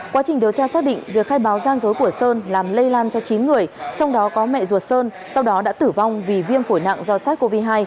quá trình điều tra xác định việc khai báo gian dối của sơn làm lây lan cho chín người trong đó có mẹ ruột sơn sau đó đã tử vong vì viêm phổi nặng do sars cov hai